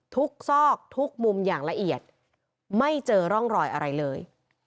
ซอกทุกมุมอย่างละเอียดไม่เจอร่องรอยอะไรเลย